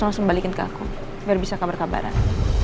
langsung balikin ke aku biar bisa kabar kabaran